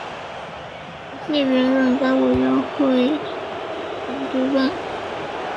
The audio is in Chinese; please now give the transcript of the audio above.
齐燮元任该委员会委员兼治安总署督办。